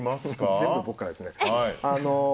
全部、僕からですね。